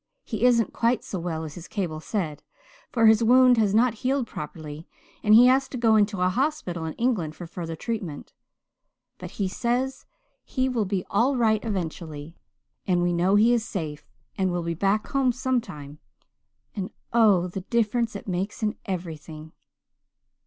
He isn't quite so well as his cable said, for his wound has not healed properly and he has to go into a hospital in England for further treatment. But he says he will be all right eventually, and we know he is safe and will be back home sometime, and oh, the difference it makes in everything!